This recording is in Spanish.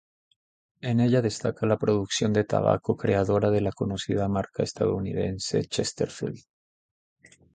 En ella destaca la producción de tabaco creadora de la conocida marca estadounidense "Chesterfield".